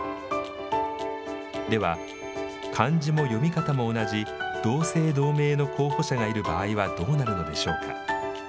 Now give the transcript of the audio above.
では、漢字も読み方も同じ同姓同名の候補者がいる場合はどうなるのでしょうか。